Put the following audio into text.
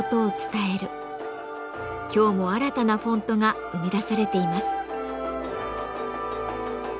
今日も新たなフォントが生み出されています。